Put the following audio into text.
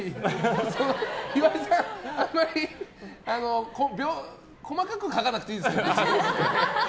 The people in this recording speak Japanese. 岩井さん、あまり細かく書かなくていいですから。